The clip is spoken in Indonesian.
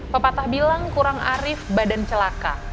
pepatah bilang kurang arif badan celaka